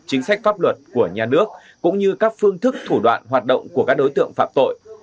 chính sách pháp luật của nhà nước cũng như các phương thức thủ đoạn hoạt động của các đối tượng phạm tội